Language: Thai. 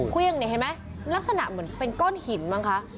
คุยังเห็นไหมลักษณะเหมือนเป็นก้นหินบ้างค่ะ